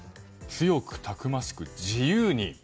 強くたくましく自由に。